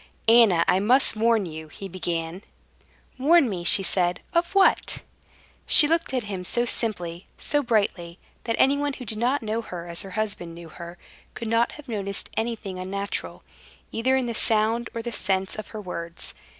"Anna, I must warn you," he began. "Warn me?" she said. "Of what?" She looked at him so simply, so brightly, that anyone who did not know her as her husband knew her could not have noticed anything unnatural, either in the sound or the sense of her words.